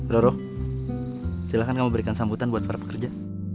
roro silakan kamu berikan sambutan buat para pekerja